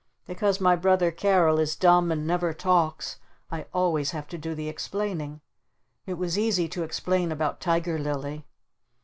Because my brother Carol is dumb and never talks I always have to do the explaining. It was easy to explain about Tiger Lily.